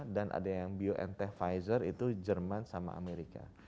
dan ada yang biontech pfizer itu jerman sama amerika